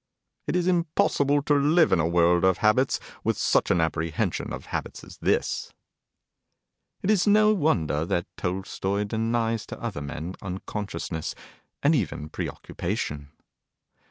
It is impossible to live in a world of habits with such an apprehension of habits as this. It is no wonder that Tolstoi denies to other men unconsciousness, and even preoccupation.